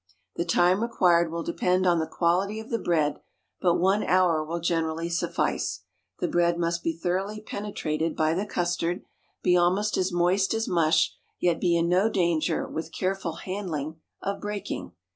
The time required will depend on the quality of the bread, but one hour will generally suffice. The bread must be thoroughly penetrated by the custard, be almost as moist as mush, yet be in no danger (with careful handling) of breaking.